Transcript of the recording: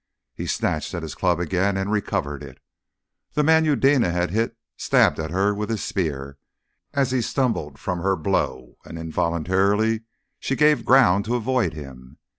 He snatched at his club again and recovered it. The man Eudena had hit stabbed at her with his spear as he stumbled from her blow, and involuntarily she gave ground to avoid him.